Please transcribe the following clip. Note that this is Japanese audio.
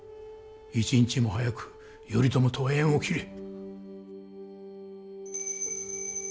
一日も早く頼朝とは縁を切れ。